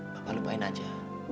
bapak lupain aja